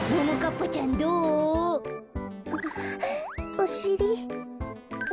おしり！？